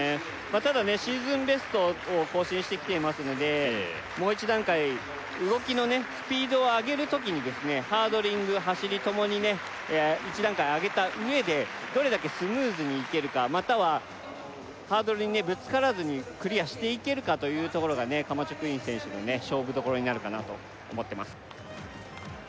ただねシーズンベストを更新してきていますのでもう一段階動きのスピードをあげる時にハードリング走りともに一段階あげた上でどれだけスムーズにいけるかまたはハードルにぶつからずにクリアしていけるかというところがカマチョクイン選手の勝負どころになるかなと思ってます